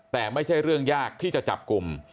แต่ไม่ใช่เรื่องยากที่จะจับกลุ่ม